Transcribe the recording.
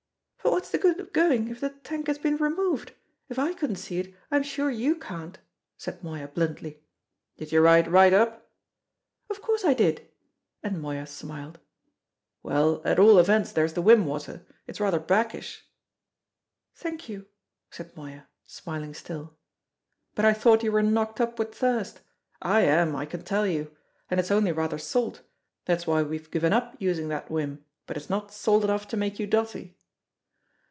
"But what's the good of going if the tank has been removed? If I couldn't see it I'm sure you can't," said Moya bluntly. "Did you ride right up?" "Of course I did." And Moya smiled. "Well, at all events there's the whim water. It's rather brackish " "Thank you," said Moya, smiling still. "But I thought you were knocked up with thirst? I am, I can tell you. And it's only rather salt that's why we've given up using that whim but it's not salt enough to make you dotty!"